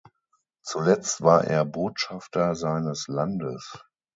Zuletzt war er Botschafter seines Landes.